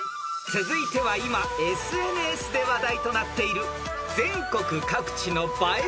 ［続いては今ＳＮＳで話題となっている全国各地の映え